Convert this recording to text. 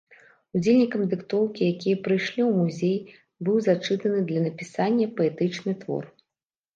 Удзельнікам дыктоўкі, якія прыйшлі ў музей, быў зачытаны для напісання паэтычны твор.